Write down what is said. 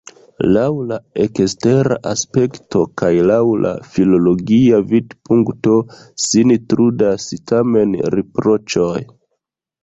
Laŭ la ekstera aspekto kaj laŭ la filologia vidpunkto sin trudas tamen riproĉoj.